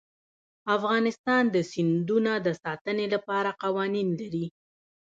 افغانستان د سیندونه د ساتنې لپاره قوانین لري.